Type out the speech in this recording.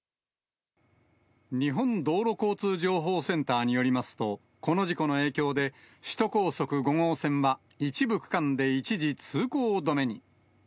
日本道路交通情報センターによりますと、この事故の影響で、首都高速５号線は、一部区間で一時通行止めに。